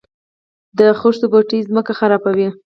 د خښتو بټۍ ځمکه خرابوي؟